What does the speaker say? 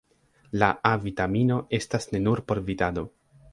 La A-vitamino estas ne nur por vidado.